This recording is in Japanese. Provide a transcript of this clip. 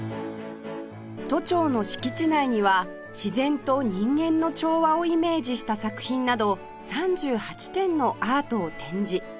都庁の敷地内には自然と人間の調和をイメージした作品など３８点のアートを展示